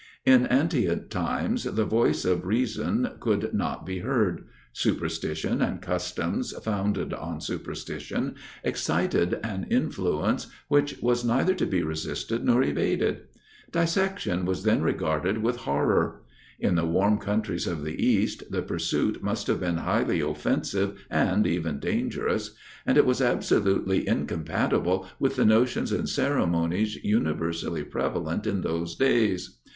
In antient times the voice of reason could not be heard. Superstition, and customs founded on superstition, excited an influence which was neither to be resisted nor evaded. Dissection was then regarded with horror. In the warm countries of the east, the pursuit must have been highly offensive and even dangerous, and it was absolutely incompatible with the notions and ceremonies universally prevalent in those days.